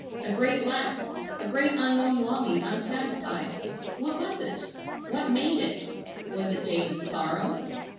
A great lack, a great unknown longing unsatisfied. What was it? What made it? Was it David's sorrow?